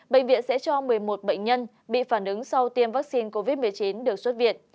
bệnh viện sẽ cho một mươi một bệnh nhân bị phản ứng sau tiêm vaccine covid một mươi chín được xuất viện